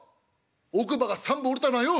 奥歯が３本折れたのはよ」。